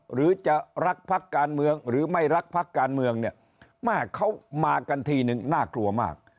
หรือจะรักพักการเมืองหรือไม่รักพักการเมืองเนี่ยแม่เขามากันทีนึงน่ากลัวมาก